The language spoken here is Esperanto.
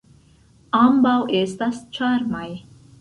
Ambaŭ estas ĉarmaj.